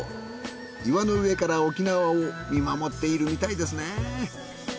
岩の上から沖縄を見守っているみたいですね。